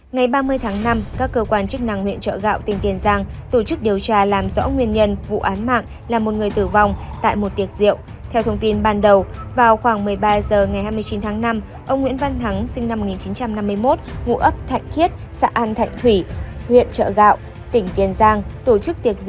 nguyễn hoàng phương sinh năm một nghìn chín trăm tám mươi năm và đặng quang định sinh năm một nghìn chín trăm chín mươi năm cùng ngụ ấp an thọ xã an thạnh thủy